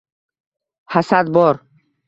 Hasad bor.